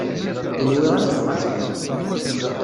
Ur nwiɣ ara tebɣa ad teddu.